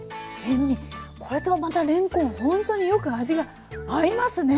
これとまたれんこんほんとによく味が合いますね。